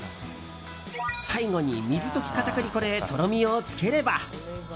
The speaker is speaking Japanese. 最後に水溶き片栗粉でとろみをつければ。